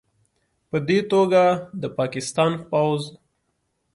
پدې توګه، د پاکستان پوځ